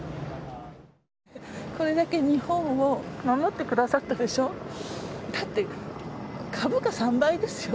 これだけ日本を守ってくださったでしょ。